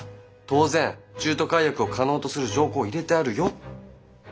当然中途解約を可能とする条項を入れてあるよ。